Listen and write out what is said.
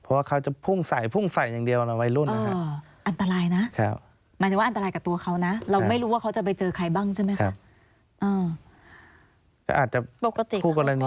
อันตรายนะหมายถึงว่าอันตรายกับตัวเขานะเราไม่รู้ว่าเขาจะไปเจอใครบ้างใช่ไหมครับ